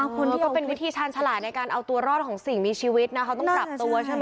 คนนี้ก็เป็นวิธีชาญฉลาดในการเอาตัวรอดของสิ่งมีชีวิตนะเขาต้องปรับตัวใช่ไหม